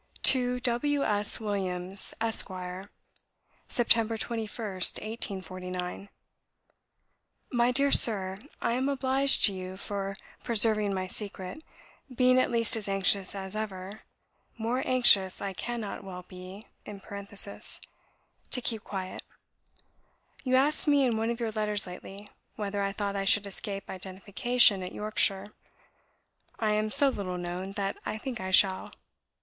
To W. S. WILLIAMS, ESQ. "Sept. 21st, 1849. "My dear Sir, I am obliged to you for preserving my secret, being at least as anxious as ever (MORE anxious I cannot well be) to keep quiet. You asked me in one of your letters lately, whether I thought I should escape identification in Yorkshire. I am so little known, that I think I shall.